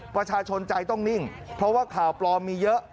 ประชาชนใจต้องนิ่งเพราะว่าข่าวปลอมมีเยอะ